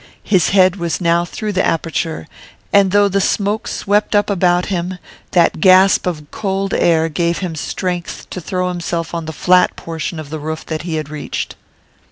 His head was now through the aperture, and though the smoke swept up about him, that gasp of cold air gave him strength to throw himself on the flat portion of the roof that he had reached.